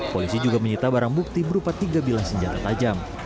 polisi juga menyita barang bukti berupa tiga bilah senjata tajam